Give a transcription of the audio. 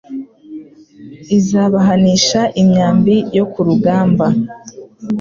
Izabahanisha imyambi yo ku rugamba